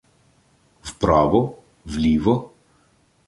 — Вправо? Вліво?